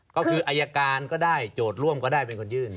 ก็คืออายการก็ได้โจทย์ร่วมก็ได้เป็นคนยื่น